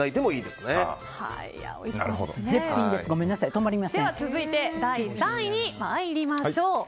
では続いて第３位に参りましょう。